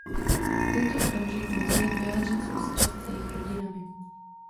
V tento okamžik lze jen vyjádřit soustrast s jejich rodinami.